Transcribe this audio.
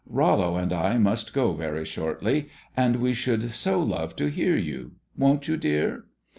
Rollo and I must go very shortly, and we should so love to hear you. Won't you, dear?"